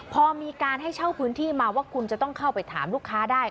พอมีการให้เช่าพื้นที่มาว่าคุณจะต้องเข้าไปถามลูกค้าได้